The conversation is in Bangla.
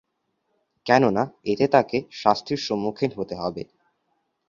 কেননা এতে তাকে শাস্তির সম্মুখীন হতে হবে।